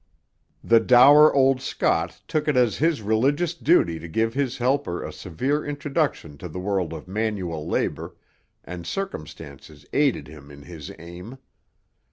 The dour old Scot took it as his religious duty to give his helper a severe introduction to the world of manual labour, and circumstances aided him in his aim.